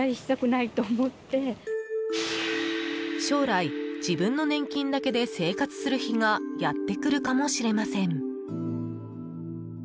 将来、自分の年金だけで生活する日がやってくるかもしれません。